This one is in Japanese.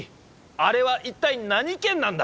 あれは一体何拳なんだ？